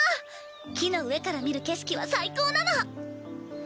木の上から見る景色は最高なの。